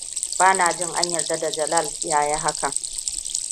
Ba na jin an yarda da Jalal ta yi hakan.